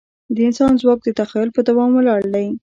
د انسان ځواک د تخیل په دوام ولاړ دی.